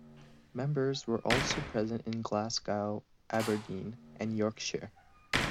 Members were also present in Glasgow, Aberdeen and Yorkshire.